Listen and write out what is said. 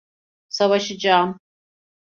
Savaşacağım.